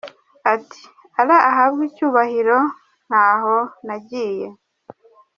Ati “Allah ahabwe icyubahiro ntaho nagiye.